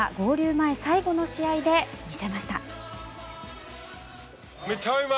前最後の試合で見せました。